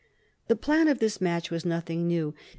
The plan of this match was nothing new.